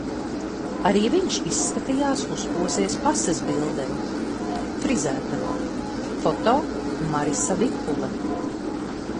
Arī viņš izskatījās uzposies pases bildei. Frizētavā. Foto: Marisa Vipule